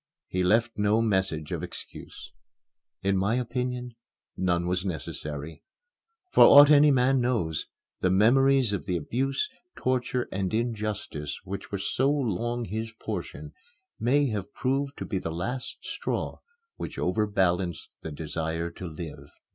He left no message of excuse. In my opinion, none was necessary. For aught any man knows, the memories of the abuse, torture, and injustice which were so long his portion may have proved to be the last straw which overbalanced the desire to live.